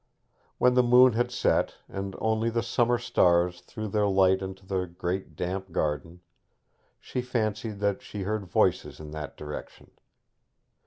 When the moon had set, and only the summer stars threw their light into the great damp garden, she fancied that she heard voices in that direction.